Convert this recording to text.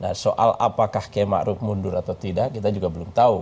nah soal apakah kiai ⁇ maruf ⁇ mundur atau tidak kita juga belum tahu